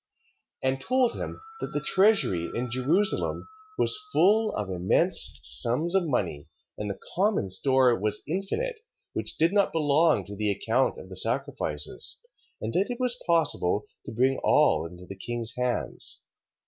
And told him, that the treasury in Jerusalem was full of immense sums of money, and the common store was infinite, which did not belong to the account of the sacrifices: and that it was possible to bring all into the king's hands.